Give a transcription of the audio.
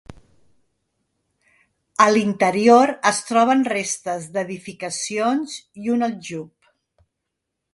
A l'interior es troben restes d'edificacions i un aljub.